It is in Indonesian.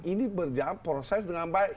ini berjalan proses dengan baik